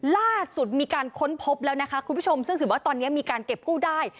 ล่าสุดมีการค้นพบแล้วนะคะคุณผู้ชมซึ่งถือว่าตอนนี้มีการเก็บกู้ได้